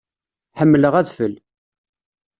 Ḥemmleɣ adfel.